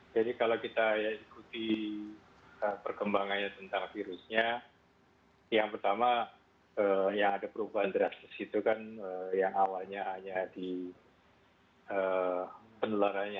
kalau kita ikuti perkembangannya tentang virusnya yang pertama yang ada perubahan drastis itu kan yang awalnya hanya di penularannya